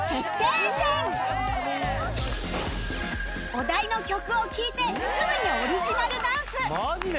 お題の曲を聴いてすぐにオリジナルダンス